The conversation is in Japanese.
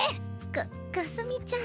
かかすみちゃん。